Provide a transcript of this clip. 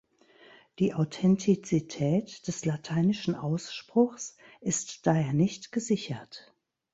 Die Authentizität des lateinischen Ausspruchs ist daher nicht gesichert.